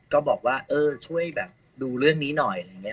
ก็บอกว่าเออช่วยแบบดูเรื่องนี้หน่อยอะไรอย่างนี้